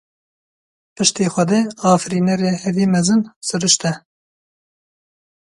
Piştî xwedê, afirînerê herî mezin siruşt e.